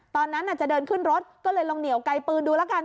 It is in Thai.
ตอนนั้นจะเดินขึ้นรถก็เลยลองเหนียวไกลปืนดูแล้วกัน